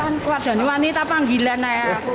kan kuat dan wanita panggilan saya